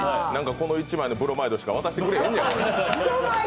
この１枚のブロマイドしか渡してくれへん。